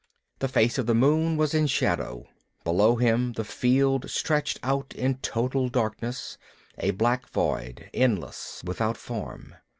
The face of the moon was in shadow. Below him the field stretched out in total darkness, a black void, endless, without form.